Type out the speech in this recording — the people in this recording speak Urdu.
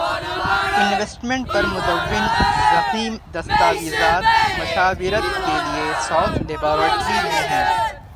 انوسٹمنٹ پر مدون ضخیم دستاویزات مشاورت کے لیے ساؤتھ لیبارٹری میں ہیں